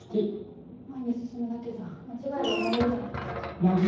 前に進むだけじゃ間違いが生まれるじゃないですか。